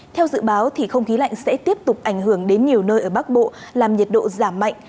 theo dự báo không khí lạnh sẽ tiếp tục ảnh hưởng đến nhiều nơi ở bắc bộ làm nhiệt độ giảm mạnh